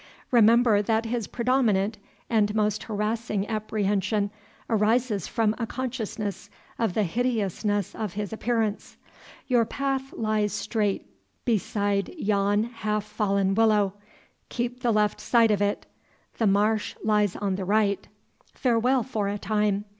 Remember that his predominant and most harassing apprehension arises from a consciousness of the hideousness of his appearance. Your path lies straight beside yon half fallen willow; keep the left side of it; the marsh lies on the right. Farewell for a time.